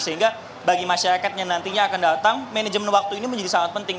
sehingga bagi masyarakat yang nantinya akan datang manajemen waktu ini menjadi sangat penting